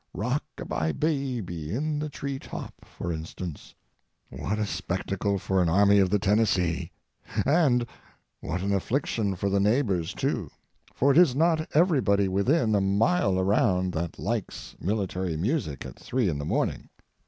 —Rock a by Baby in the Tree top, for instance. What a spectacle for an Army of the Tennessee! And what an affliction for the neighbors, too; for it is not everybody within a mile around that likes military music at three in the morning.